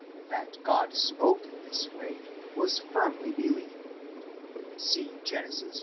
That God spoke in this way was firmly believed (see Gen. xx.